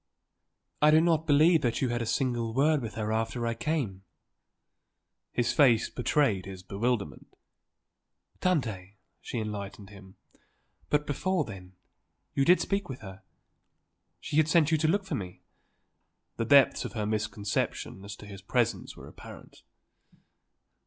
"I do not believe that you had a single word with her after I came!" His face betrayed his bewilderment. "Tante," she enlightened him. "But before then? You did speak with her? She had sent you to look for me?" The depths of her misconception as to his presence were apparent.